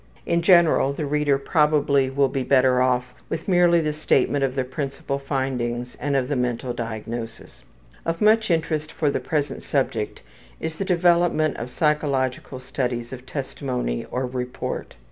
In general, the reader probably will be better off with merely the statement of the principal findings and of the mental diagnosis. Of much interest for the present subject is the development of psychological studies of testimony or report.